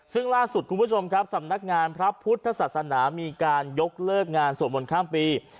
ซึ่งล่าสุดคุณผู้ชมครับสำนักงานพระพุทธศาสนามีการยกเลิกงานสวดมนต์ข้ามปี